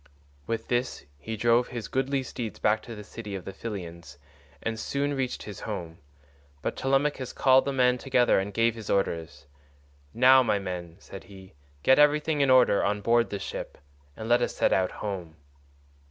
With this he drove his goodly steeds back to the city of the Pylians and soon reached his home, but Telemachus called the men together and gave his orders. "Now, my men," said he, "get everything in order on board the ship, and let us set out home."